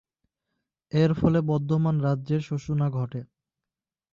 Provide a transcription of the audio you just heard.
এর ফলে বর্ধমান রাজের সূচনা ঘটে।